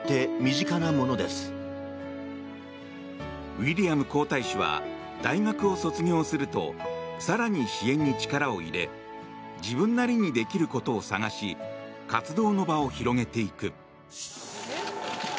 ウィリアム皇太子は大学を卒業すると更に支援に力を入れ自分なりにできることを探し活動の場を広げていく。